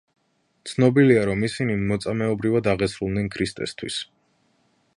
ცნობილია, რომ ისინი მოწამეობრივად აღესრულნენ ქრისტესთვის.